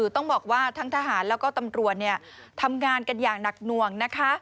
ต้องบอกว่าทั้งทหารแล้วก็ตำรวจทำงานกันอย่างหนักหน่วงนะคะ